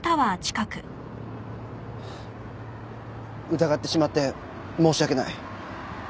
疑ってしまって申し訳ない。